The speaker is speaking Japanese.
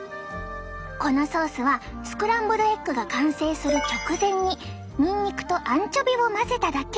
このソースはスクランブルエッグが完成する直前ににんにくとアンチョビを混ぜただけ！